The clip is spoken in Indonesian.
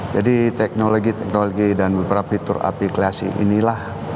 jadi teknologi teknologi dan beberapa fitur apikulasi inilah